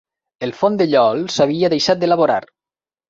El fondellol s'havia deixat d'elaborar.